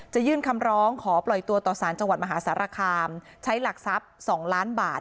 ยื่นคำร้องขอปล่อยตัวต่อสารจังหวัดมหาสารคามใช้หลักทรัพย์๒ล้านบาท